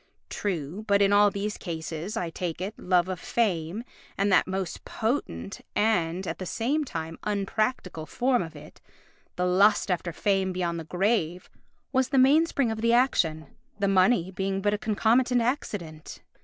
True; but in all these cases, I take it, love of fame and that most potent and, at the same time, unpractical form of it, the lust after fame beyond the grave, was the mainspring of the action, the money being but a concomitant accident.